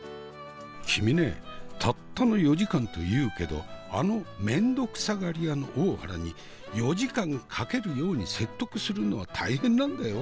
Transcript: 「君ねたったの４時間というけどあの面倒くさがり屋の大原に４時間かけるように説得するのは大変なんだよ。